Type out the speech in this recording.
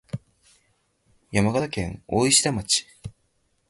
山形県大石田町